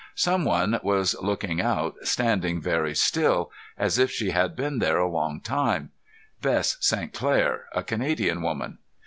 Someone was looking out, standing very still, as if she had been there a long time Bess St. Clair, a Canadian woman.